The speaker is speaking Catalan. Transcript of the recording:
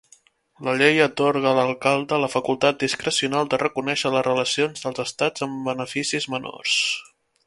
La llei atorga a l'alcalde la facultat discrecional de reconèixer les relacions dels estats amb beneficis menors.